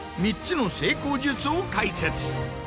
３つの成功術を解説。